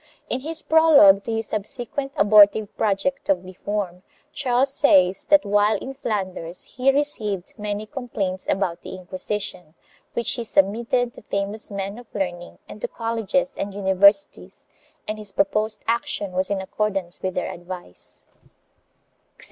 1 In his prologue to his subsequent abortive project of reform, Charles says that while in Flanders he received many complaints about the Inquisition, which he submitted to famous men of learning and to colleges and uni versities, and his proposed action was in accordance with their advice.